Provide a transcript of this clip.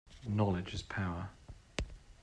Knowledge is power.